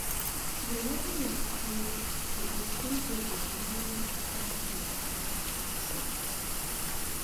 Geronimo came to each interview knowing exactly what he wanted to say.